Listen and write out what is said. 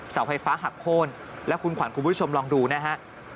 เสาไฟฟ้าหักโค้นแล้วคุณขวัญคุณผู้ชมลองดูนะฮะ